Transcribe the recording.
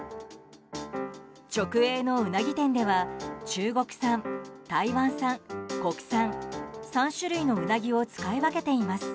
直営のウナギ店では中国産、台湾産、国産３種類のウナギを使い分けています。